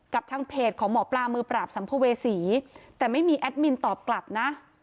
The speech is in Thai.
ทางเพจของหมอปลามือปราบสัมภเวษีแต่ไม่มีแอดมินตอบกลับนะ